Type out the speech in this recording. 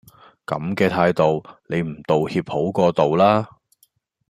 咁嘅態度，你唔道歉好過道啦